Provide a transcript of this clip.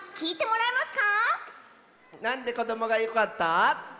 なんでこどもがよかった？